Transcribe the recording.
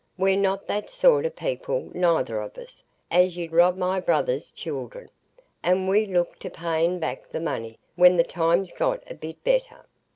We're not that sort o' people, neither of us, as 'ud rob my brother's children; and we looked to paying back the money, when the times got a bit better."